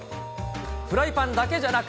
フライパンだけじゃなく。